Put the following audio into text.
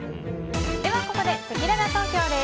ここで、せきらら投票です。